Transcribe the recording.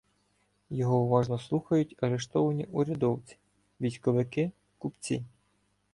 Його уважно слухають арештовані урядовці, військовики, купці.